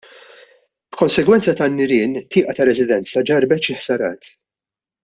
B'konsegwenza tan-nirien tieqa ta' residenza ġarrbet xi ħsarat.